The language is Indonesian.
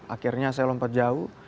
akhirnya saya lompat jauh